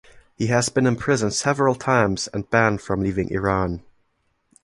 He has been imprisoned several times and banned from leaving Iran.